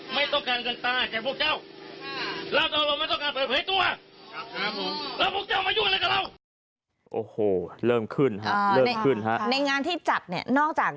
ไม่ต้องการกันตาแก่พวกเจ้า